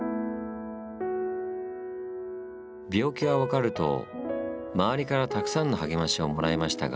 病気が分かると周りからたくさんの励ましをもらいましたが